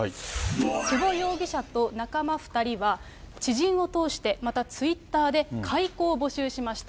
久保容疑者と仲間２人は、知人を通して、またツイッターで、買い子を募集しました。